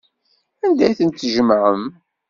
Anda ay tent-tjemɛem?